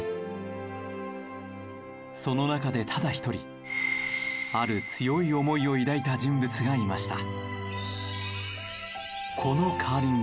その中でただ一人ある強い思いを抱いた人物がいました。